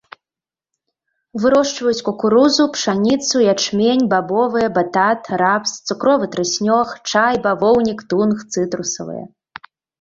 Вырошчваюць кукурузу, пшаніцу, ячмень, бабовыя, батат, рапс, цукровы трыснёг, чай, бавоўнік, тунг, цытрусавыя.